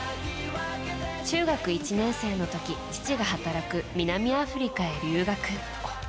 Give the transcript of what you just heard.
中学１年生の時父が働く南アフリカへ留学。